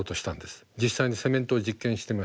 実際にセメントを実験してました。